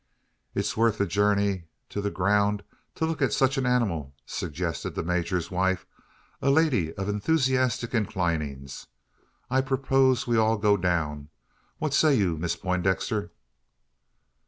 "It's worth a journey to the ground to look at such an animal!" suggested the major's wife, a lady of enthusiastic inclinings. "I propose we all go down! What say you, Miss Poindexter?"